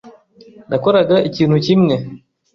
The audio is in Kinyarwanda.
Nakoraga ikintu kimwe.